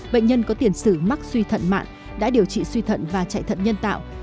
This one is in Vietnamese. bệnh nhân có tiền sử mắc suy thận mạng đã điều trị suy thận và chạy thận nhân tạo